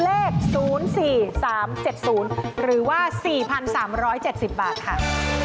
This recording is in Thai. เลข๐๔๓๗๐หรือว่า๔๓๗๐บาทค่ะ